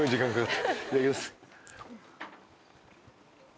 いただきます！